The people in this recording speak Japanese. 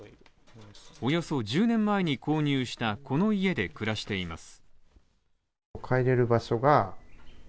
およそ１０年前に購入したこの家で暮らしています。